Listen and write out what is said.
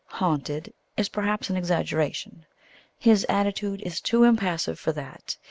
"Haunted" is, perhaps, an exaggeration. His attitude is too impassive for that.